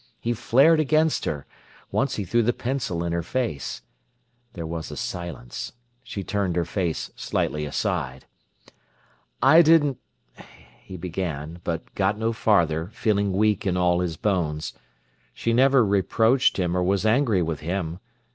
He flared against her. Once he threw the pencil in her face. There was a silence. She turned her face slightly aside. "I didn't—" he began, but got no farther, feeling weak in all his bones. She never reproached him or was angry with him.